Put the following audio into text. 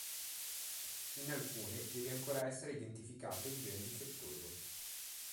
In alcune deve ancora essere identificato il gene difettoso.